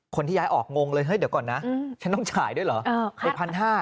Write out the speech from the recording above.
คนที่ย้ายออกงงเลยเฮ้ยเดี๋ยวก่อนนะฉันต้องจ่ายด้วยเหรอ